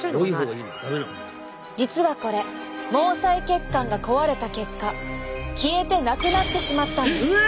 実はこれ毛細血管が壊れた結果消えて無くなってしまったんです！